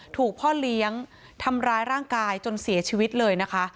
ถูกพ่อเลี้ยงทำร้ายร่างกายจนเสียชีวิตเลยนะคะ